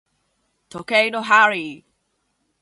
時計の針